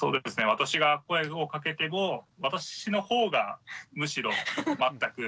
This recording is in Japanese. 私が声をかけても私の方がむしろ全く。